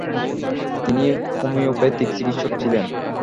তিনি হোমিওপ্যাথিক চিকিৎসক ছিলেন।